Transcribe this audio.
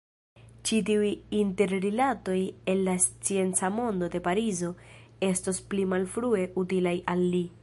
Ĉi-tiuj interrilatoj el la scienca mondo de Parizo estos pli malfrue utilaj al li.